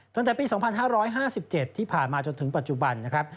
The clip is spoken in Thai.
ตั้งแต่ปี๒๕๕๗ที่ผ่านมาจนถึงปัจจุบันนะครับ